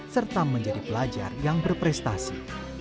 serta menjadi pelajar yang berprestasi